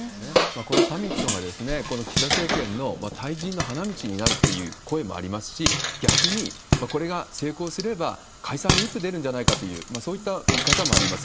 このサミットが、この岸田政権の退陣の花道になるという声もありますし、逆にこれが成功すれば、解散に打って出るんじゃないかという、そういった見方もあります。